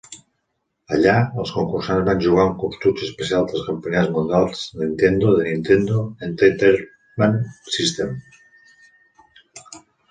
Allà, els concursants van jugar un cartutx especial dels Campionats Mundials Nintendo de Nintendo Entertainment System.